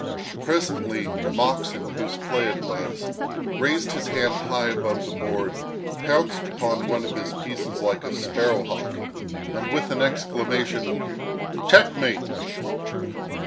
Presently Moxon, whose play it was, raised his hand high above the board, pounced upon one of his pieces like a sparrow hawk and with the exclamation "checkmate!"